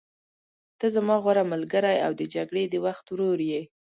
ته زما غوره ملګری او د جګړې د وخت ورور یې.